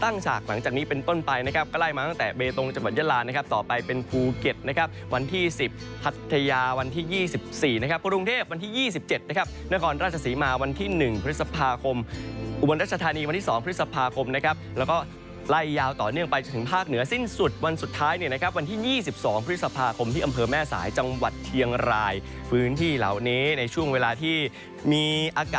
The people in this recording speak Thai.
นะครับกรุงเทพวันที่ยี่สิบเจ็ดนะครับนอกออนราชสีมาวันที่หนึ่งพฤษภาคมอุบันราชธานีวันที่สองพฤษภาคมนะครับแล้วก็ไล่ยาวต่อเนื่องไปจนถึงภาคเหนือสิ้นสุดวันสุดท้ายเนี่ยนะครับวันที่ยี่สิบสองพฤษภาคมที่อำเภอแม่สายจังหวัดเทียงรายฟื้นที่เหล่านี้ในช่วงเวลาที่มีอ